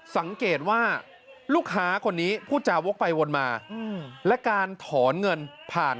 สังเกตว่าลูกค้าคนนี้พูดจาวกไปวนมาและการถอนเงินผ่าน